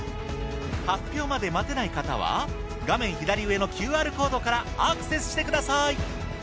発表まで待てない方は画面左上のＱＲコードからアクセスしてください。